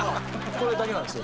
これだけなんですよ。